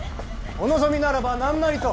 お望みならば何なりと！